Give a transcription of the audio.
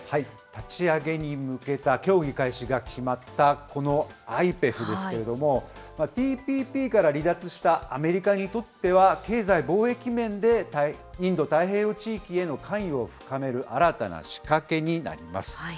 立ち上げに向けた協議開始が決まったこのＩＰＥＦですけれども、ＴＰＰから離脱したアメリカにとっては、経済・貿易面でインド太平洋地域への関与を深める新たなしかけになります。